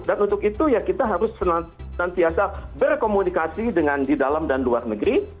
dan untuk itu ya kita harus senantiasa berkomunikasi dengan di dalam dan luar negeri